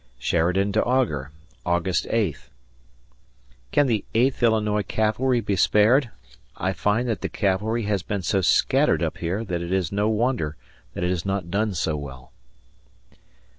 [Sheridan to Augur] August 8th. Can the Eighth Illinois Cavalry be spared? I find that the cavalry has been so scattered up here that it is no wonder that it has not done so well.